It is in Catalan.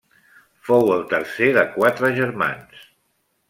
Fou el tercer de quatre germans.